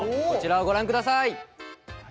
こちらをご覧下さい。